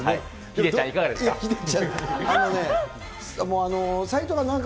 ヒデちゃん。